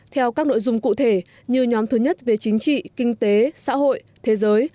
theo các nội dung cụ thể như nhóm thứ nhất về chính trị kinh tế xã hội thế giới